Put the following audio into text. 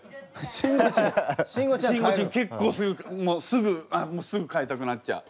すぐすぐかえたくなっちゃう。